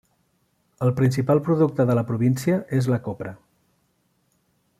El principal producte de la província és la copra.